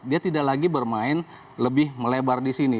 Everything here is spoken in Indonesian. dia tidak lagi bermain lebih melebar di sini